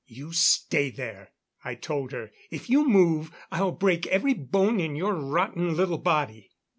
"You stay there," I told her. "If you move, I'll break every bone in your rotten little body."